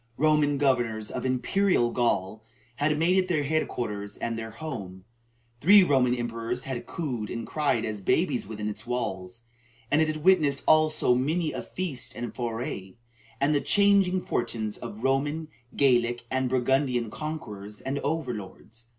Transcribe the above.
Roman governors of "Imperial Gaul" had made it their head quarters and their home; three Roman emperors had cooed and cried as babies within its walls; and it had witnessed also many a feast and foray, and the changing fortunes of Roman, Gallic, and Burgundian conquerors and over lords.